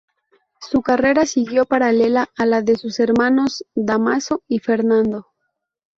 Su carrera siguió paralela a la de sus hermanos Dámaso y Fernando.